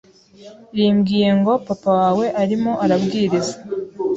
rimbwiye ngo papa wawe arimo arabwiriza